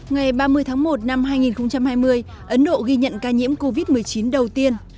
ngày ba mươi tháng một năm hai nghìn hai mươi ấn độ ghi nhận ca nhiễm covid một mươi chín đầu tiên